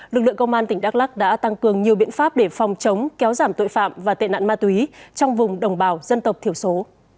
lực lượng công an tỉnh đắk lắc đã tăng cường nhiều biện pháp để phòng chống kéo giảm tội phạm và tệ nạn ma túy trong vùng đồng bào dân tộc thiểu số